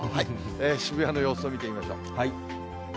渋谷の様子を見てみましょう。